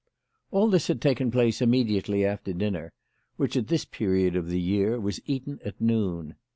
All this had taken place immediately after dinner, which at this period of the year was eaten at noon.